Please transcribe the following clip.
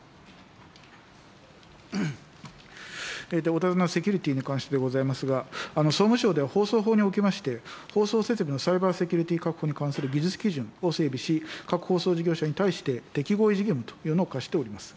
お尋ねのセキュリティに関してでございますが、総務省では、放送法におきまして、放送設備のサイバーセキュリティ確保に関する技術基盤を整備し、各放送事業者に対して、適合基準というのを課しております。